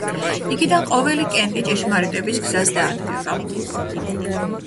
იქიდან ყოველი კენტი ჭეშმარიტების გზას დაადგება.